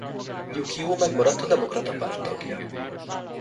Jukio megmaradt a Demokrata Párt tagja.